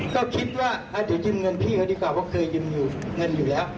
ก็คิดว่าเดี๋ยวยืมเงินพี่เขาดีกว่าเพราะเคยยืมอยู่เงินอยู่แล้ว